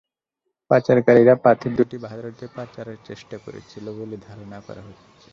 পাচারকারীরা পাথর দুটি ভারতে পাচারের চেষ্টা করছিল বলে ধারণা করা হচ্ছে।